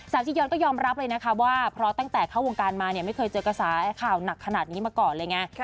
จียอนก็ยอมรับเลยนะคะว่าเพราะตั้งแต่เข้าวงการมาเนี่ยไม่เคยเจอกระแสข่าวหนักขนาดนี้มาก่อนเลยไง